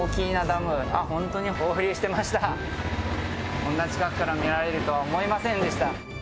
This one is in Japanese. こんな近くから見られるとは思いませんでした。